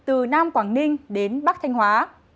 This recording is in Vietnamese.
từ nam quảng ninh đến bắc thanh hóa